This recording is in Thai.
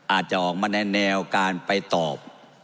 อาจจะออกมาในแนวการไปตอบ